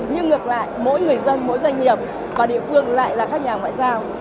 nhưng ngược lại mỗi người dân mỗi doanh nghiệp và địa phương lại là các nhà ngoại giao